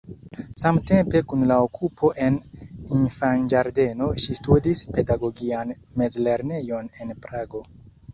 Samtempe kun la okupo en infanĝardeno ŝi studis pedagogian mezlernejon en Prago.